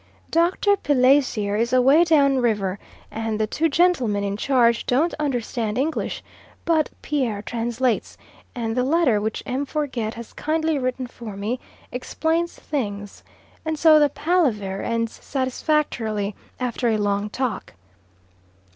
Dr. Pelessier is away down river, and the two gentlemen in charge don't understand English; but Pierre translates, and the letter which M. Forget has kindly written for me explains things and so the palaver ends satisfactorily, after a long talk.